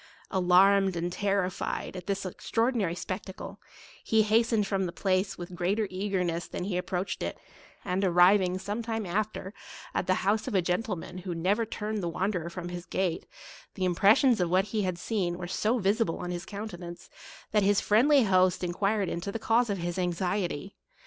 Alarmed and terrified at this extraordinary spectacle, he hastened from the place with greater eagerness than he approached it ; and arriving, some time after, at the house of a gentleman who never turned the wanderer from his gate, the impressions of what he had seen were so visible on his countenance, that his friendly host enquired into the cause of his anxiety.